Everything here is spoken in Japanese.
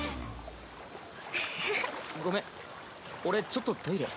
ごめん俺ちょっとトイレ。